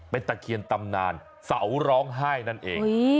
เป็นตะเคียนตำนานเสาร้องไห้นั่นเอง